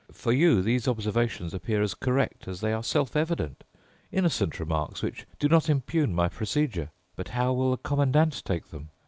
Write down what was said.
For you these observations appear as correct as they are self evident—innocent remarks which do not impugn my procedure. But how will the Commandant take them?